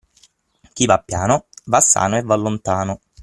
Chi va piano va sano e va lontano.